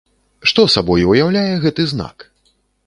Што сабой уяўляе гэты знак?